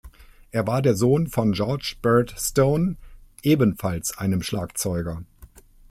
Er war der Sohn von George Burt Stone, ebenfalls einem Schlagzeuger.